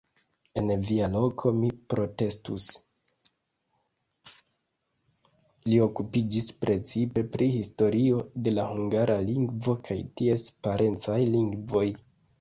Li okupiĝis precipe pri historio de la hungara lingvo kaj ties parencaj lingvoj.